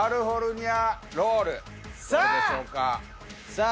さあ！